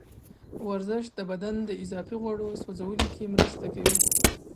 ورزش د بدن د اضافي غوړو سوځولو کې مرسته کوي.